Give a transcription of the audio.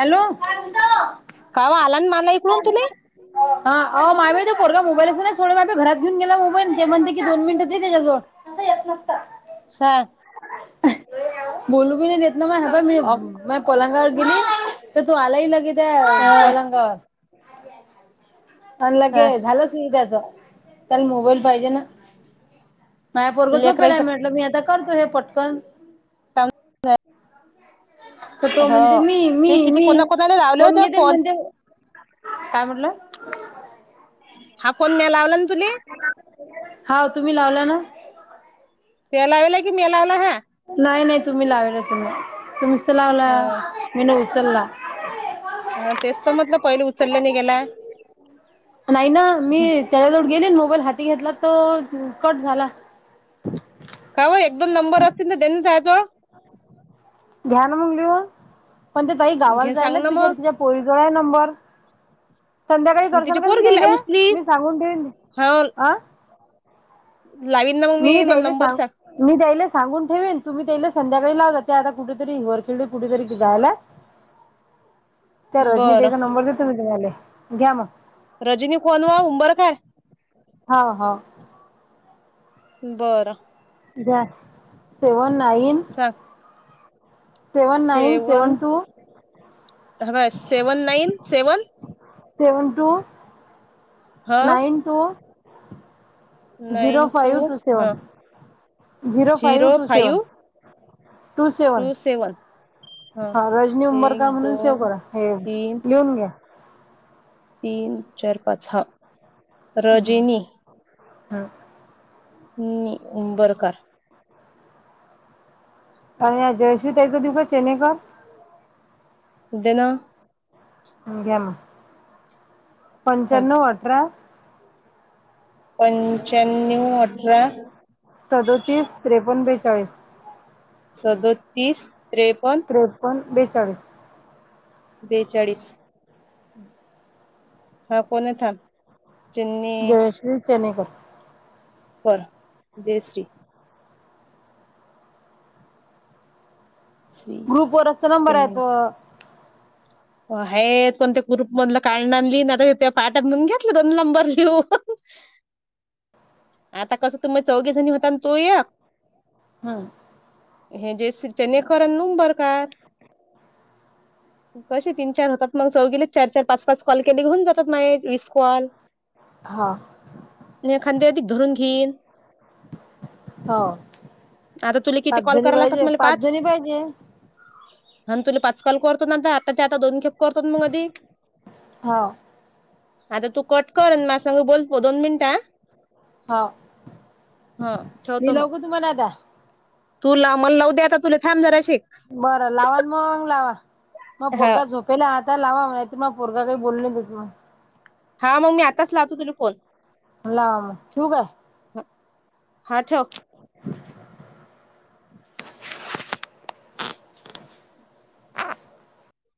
Hello कावा आला ना मला इकडून तुले? हा आओ मामी तो पोरगा मोबाईलं नाही सोड म माे घात घेन गेला मोबाईल ते म्हणते की दोन मिनट दे ते त्याच्याजवळ असं येत नसत सात हाह बोलू बी देत ना म हप मीर अ म पलंगावरर गेली तर तू आलाही लगेित आहे अ पलंगावर आणि लगे सांग झालं सुरू त्याच त्याला मोबाईल पाहिजे ना माय पोरग झोपेलय लेकराईचं म्हटलं मी आता करतो हे पटकन [inaudible] तर तो हो म्हणजे मी ते मी किती मी कोणा कोणाला लावले फोन होते घेतेन म्हणते काय म्हटलं हा फोन म्या लावला ना तुले हा तुम्ही लावला ना? ते लावेला की मे लावला हा? नाही नाही तुम्ही लावेल तुम्ही तुम्हीच त लावला ह मी न उचलला. अ तेच तर म्हटलं पहिले उचललं नाही गेला. नाही ना मी त्याच्याजवळ गेले मोबाईल हाती घेतला तर कट झाला काय हो एक दोन नंबर असतील ना तर त्यांनीच जाओ जवळ घ्या ना मग लिहून पण ते ताई गावाला घे सांग जायलाच ना मग बिचारीे तिच्या पोरीजवळ आहे नंबर. संध्याकाळी तिची करशन का तुम्ही पोरगी ताईले उचली मी सांगून ठेवीन हा अं लावीन ना मग मी, मला नंबर सांग. मी द्यायला सांगून ठेवेन तुम्ही त्याला संध्याकाळी लावता ते आता कुठेतरी वरखेळ कुठेतरी जायला [inaudible] त्या रजनी बरं ताईचा नंबर देतो मी तुम्हाला घ्या मग. रजनी कोन ओ उंबर काय? हा हा बरं घ्या सेव्हन नाईन सांग सेवन नाईन सेवन टू ह seven nine seven seven two ह nine two zero nine five two हा seven zero five two seven two seven हा रजनी एक उंबरकर म्हणून सेव्ह दोन करा हे तीन लिहून घ्या. तीन चार पाच हा रजिनी हम हम्म बरं कर आणि जयश्री ताईचा देऊ काय? चेनईकर जनं घ्या मग थांब पंचाण्णव अठरा पंच्याण्णव अठरा सदतीस त्रेपन् बेचाळीस सदतीस त्रेपन्न त्रेपन्न बेचाळीस बेचाळीस हम् हा कोण चेन्नईकर जयश्री चनेकर बरं जयश्री श्री ग्रुप वर असत नंबर य तो आहे कोणते ग्रुप मधलं काढणार लि आता त्या पाठात म्हणून घेतलं दोन नंबर लिहून आता कसं तुम्ही चौघीजनी होता ना तो या हम हे जे श्रीच्यानेकरण नु बरकार कसे तीन चार होतात मग चौघी ले चार चार पाच पाच कॉल केले होऊन जातात माये वीस कॉल हा आणि खांद्या अधिक धरून घेईन हो आता तुला किती पाच कॉल जणी कराला लागतात पाहिजे मला पाच जणी पाहिजे आणि तुला पाचकाल करतो ना आता आताच्या आता दोन खेप करतो मग आधी हा आता तू कट कर अन माझ्या सांग बोलतो दोन मिनिटं आ हो मी लावू काय तुमाला आता तु लाव मला लावू दे आता तुला थांब जराशी बरं लावा मग लावा मग हा पोरगा झोप पहिले आता लावा म्ह त म पोरा काही बोलली नाही त मग हा मग मी आताच लावतो तुला फोन लाम शू का आहे ह हा ठेव.